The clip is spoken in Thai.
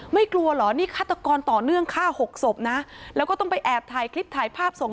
กลัวเหรอนี่ฆาตกรต่อเนื่องฆ่าหกศพนะแล้วก็ต้องไปแอบถ่ายคลิปถ่ายภาพส่ง